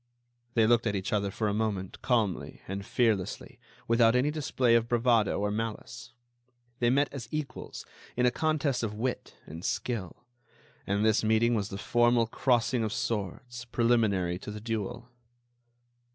'" They looked at each other for a moment calmly and fearlessly, without any display of bravado or malice. They met as equals in a contest of wit and skill. And this meeting was the formal crossing of swords, preliminary to the duel.